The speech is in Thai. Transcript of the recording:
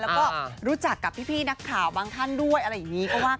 แล้วก็รู้จักกับพี่นักข่าวบางท่านด้วยอะไรอย่างนี้ก็ว่า